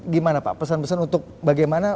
gimana pak pesan pesan untuk bagaimana